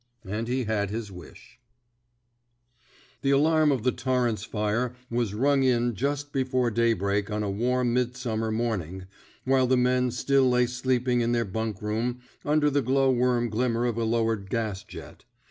And he had his wish. { THE SMOKE EATEES The alarm of the Torrance iSre was rung in just before daybreak on a warm midsum mer morning, while the men still lay sleeping in their bunk room under the glowworm glimmer of a lowered gas jet.